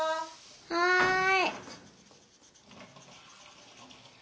はい。